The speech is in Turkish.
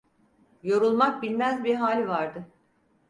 Yorulmak bilmez bir hali vardı.